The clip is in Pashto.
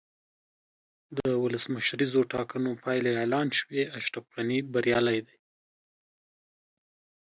د ولسمشریزو ټاکنو پایلې اعلان شوې، اشرف غني بریالی دی.